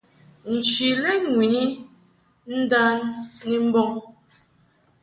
Nchi lɛ ŋwini ndan ni mbɔŋ.